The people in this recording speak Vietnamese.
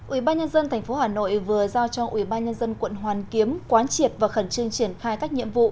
ủy ban nhân dân tp hà nội vừa giao cho ủy ban nhân dân quận hoàn kiếm quán triệt và khẩn trương triển khai các nhiệm vụ